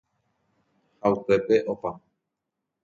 ha upépe opa